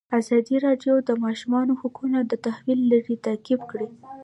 ازادي راډیو د د ماشومانو حقونه د تحول لړۍ تعقیب کړې.